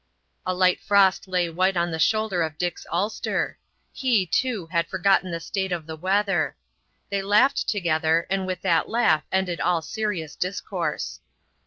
A light frost lay white on the shoulder of Dick's ulster. He, too, had forgotten the state of the weather. They laughed together, and with that laugh ended all serious discourse.